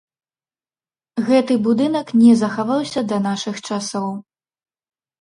Гэты будынак не захаваўся да нашых часоў.